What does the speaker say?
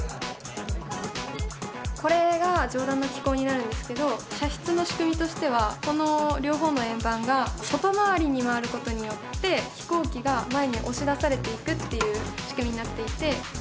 これが上段の機構になるんですけど射出の仕組みとしてはこの両方の円盤が外回りに回ることによって飛行機が前に押し出されていくっていう仕組みになっていて。